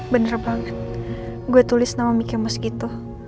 bener banget gue tulis nama miki maus gitu